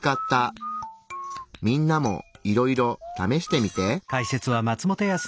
みんなもいろいろ試してみて。